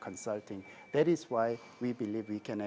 itulah mengapa kami percaya